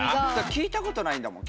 聞いたことないんだもん。